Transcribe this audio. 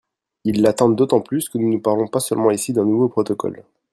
Ils l’attendent d’autant plus que nous ne parlons pas seulement ici d’un nouveau protocole.